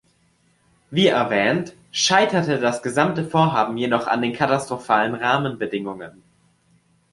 Wie erwähnt, scheiterte das gesamte Vorhaben jedoch an den katastrophalen Rahmenbedingungen.